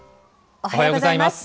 おはようございます。